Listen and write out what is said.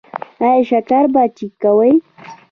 ایا شکر به چیک کوئ؟